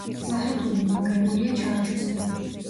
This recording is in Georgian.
სახელური მიმაგრებულია ჩარჩოზე.